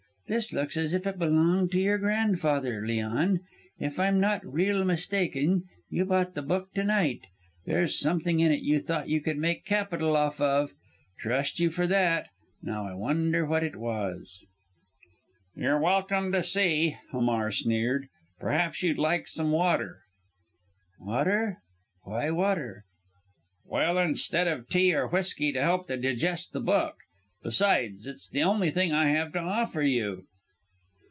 This looks as if it belonged to your grandfather, Leon. If I'm not real mistaken you bought the book to night. There's something in it you thought you could make capital of. Trust you for that. Now I wonder what it was!" "You're welcome to see!" Hamar sneered. "Perhaps you'd like some water!" "Water! Why water?" "Well, instead of tea or whisky to help digest the book. Besides, it's the only thing I have to offer you."